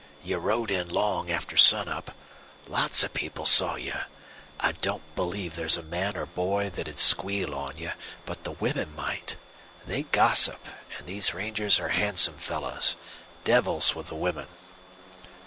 You rode in long after sunup. Lots of people saw you. I don't believe there's a man or boy that 'd squeal on you. But the women might. They gossip, and these rangers are handsome fellows devils with the women."